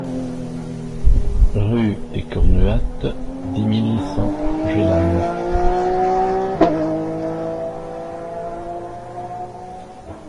Rue des Cornuattes, dix mille cent Gélannes